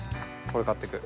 これ買っていく。